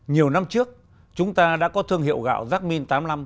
nhiều năm trước chúng ta đã có thương hiệu gạo tám mươi năm